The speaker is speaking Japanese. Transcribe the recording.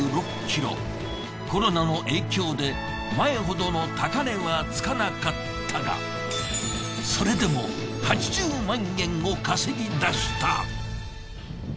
コロナの影響で前ほどの高値はつかなかったがそれでも８０万円を稼ぎ出した。